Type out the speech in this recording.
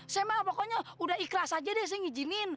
saya mah pokoknya udah ikhlas aja deh saya ngijinin